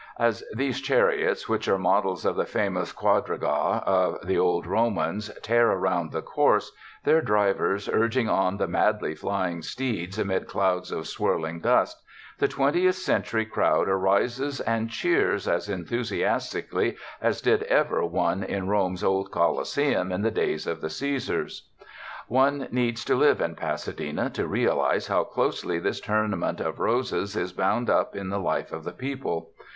As these chariots, which are models of the famous quadriga of the old Romans, tear around the course, their drivers urging on the madly flying steeds amid clouds of swirling dust, the twentieth century crowd arises and cheers as enthusiastically as did ever one in Rome's old Coli seum in the days of the Caesars. One needs to live in Pasadena to realize how closely this Tournament of Roses is bound up in the life of the people.